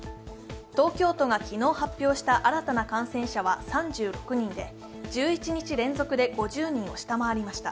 東京都が昨日発表した新たな感染者は３６人で１１日連続で５０人を下回りました。